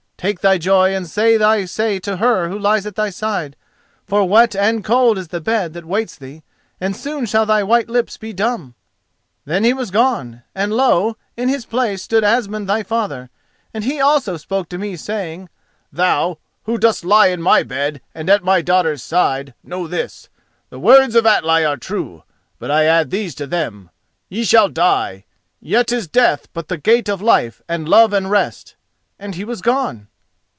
Take thy joy and say thy say to her who lies at thy side, for wet and cold is the bed that waits thee and soon shall thy white lips be dumb.' Then he was gone, and lo! in his place stood Asmund, thy father, and he also spoke to me, saying, 'Thou who dost lie in my bed and at my daughter's side, know this: the words of Atli are true; but I add these to them: ye shall die, yet is death but the gate of life and love and rest,' and he was gone."